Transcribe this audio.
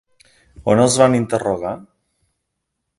On els van interrogar?